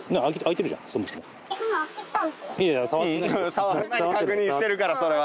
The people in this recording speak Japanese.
触る前に確認してるからそれは。